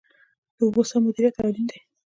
د اوبو سم مدیریت اړین دی